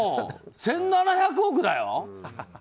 １７００億だよ？